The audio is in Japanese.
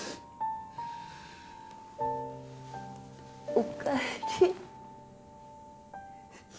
おかえり